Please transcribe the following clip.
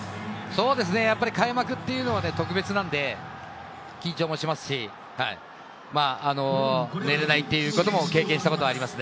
開幕というのは特別なので緊張もしますし、寝られないということも経験しましたね。